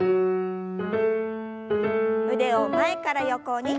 腕を前から横に。